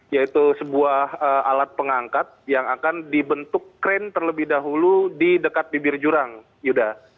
yaitu sebuah alat pengangkat yang akan dibentuk krain terlebih dahulu di dekat bibir jurang yuda